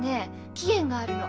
期限があるの。